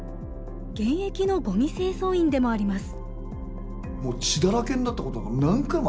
現役のごみ清掃員でもあります。